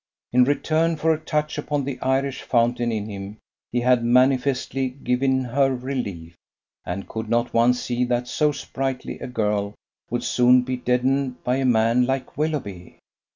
In return for her touch upon the Irish fountain in him, he had manifestly given her relief And could not one see that so sprightly a girl would soon be deadened by a man like Willoughby?